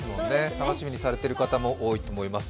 楽しみにされている方も多いと思います。